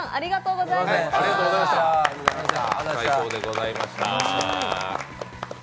最高でございました。